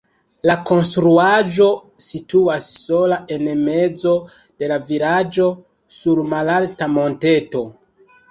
La konstruaĵo situas sola en mezo de la vilaĝo sur malalta monteto.